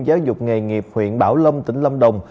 giáo dục nghề nghiệp huyện bảo lâm tỉnh lâm đồng